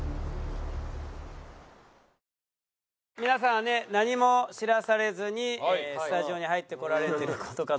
皆さんはね何も知らされずにスタジオに入って来られてる事かと。